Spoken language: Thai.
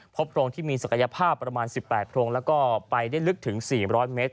โพรงที่มีศักยภาพประมาณ๑๘โพรงแล้วก็ไปได้ลึกถึง๔๐๐เมตร